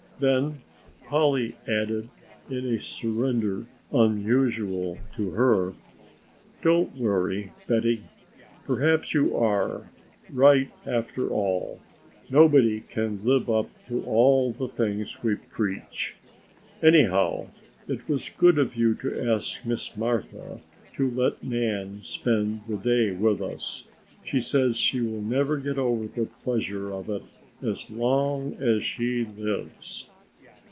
Then Polly added in a surrender unusual to her: "Don't worry, Betty, perhaps you are, right after all. Nobody can live up to all the things we preach. Anyhow it was, good of you to ask Miss Martha to let Nan spend the day with us. She says she will never get over the pleasure of it as long as she lives."